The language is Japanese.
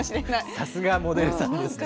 さすがモデルさんですね。